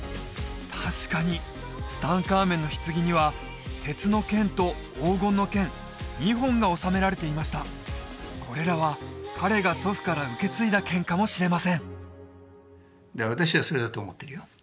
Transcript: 確かにツタンカーメンの棺には鉄の剣と黄金の剣２本が納められていましたこれらは彼が祖父から受け継いだ剣かもしれません私はそれだと思ってるよ